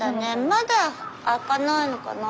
まだ開かないのかな？